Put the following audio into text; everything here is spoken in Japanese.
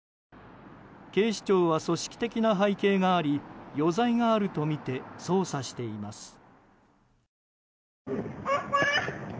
警視庁は組織的な背景があり余罪があるとみて捜査しています。